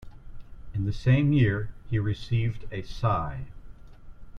In the same year, he received a Sci.